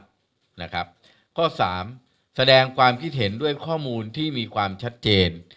ข้อ๓แสดงความคิดเห็นด้วยข้อมูลที่มีความชัดเจน